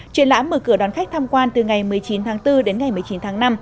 triển lãm mở cửa đón khách tham quan từ ngày một mươi chín tháng bốn đến ngày một mươi chín tháng năm